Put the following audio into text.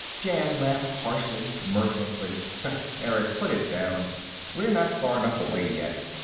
Jan laughed harshly, mirthlessly. "Erick, put it down. We're not far enough away, yet."